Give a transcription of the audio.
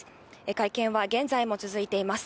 会見は現在も続いています。